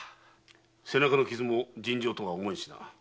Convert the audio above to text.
背中の傷も尋常とは思えんしな。